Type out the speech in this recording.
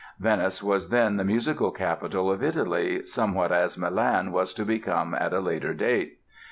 Venice was then the musical capital of Italy, somewhat as Milan was to become at a later date.